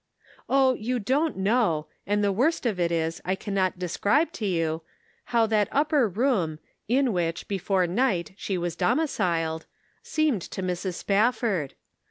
Oh, you don't know, and the worst of it is I cannot describe to you, how that upper room, in which before night she was domiciled, seemed to Mrs. Spafford